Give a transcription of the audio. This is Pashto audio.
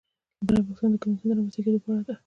بله پوښتنه د کمیسیون د رامنځته کیدو په اړه ده.